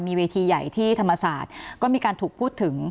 มีเวทีใหญ่ที่ธรรมศาสตร์ก็มีการถูกพูดถึง